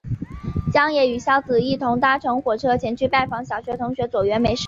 将也与硝子一同搭乘火车前去拜访小学同学佐原美世子。